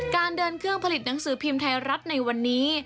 การเดินเครื่องผลิตหนังสือพิมพ์ไทยรัฐในวันนี้